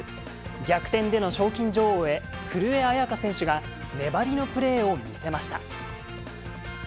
逆転での賞金女王へ古江彩佳選手が粘りのプレーを見せました。